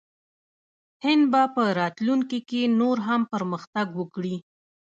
هند به په راتلونکي کې نور هم پرمختګ وکړي.